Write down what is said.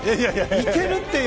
いけるっていう。